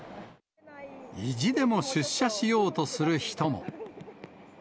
意地でも出社しようとする人も。